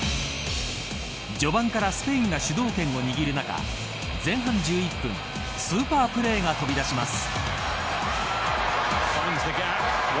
序盤からスペインが主導権を握る中前半１１分スーパープレーが飛び出します。